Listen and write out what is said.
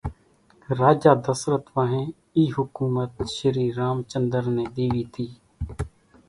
راجا دسرت وانھين اِي حُڪومت شري رام چنۮر نين ۮيوي تي